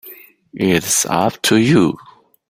It's up to you.